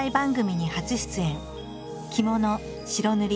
着物白塗り